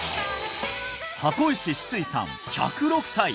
箱石シツイさん１０６歳！